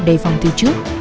đề phòng thứ trước